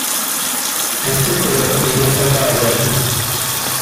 Este coro le dio fama a Verdi.